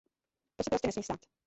To se prostě nesmí stát.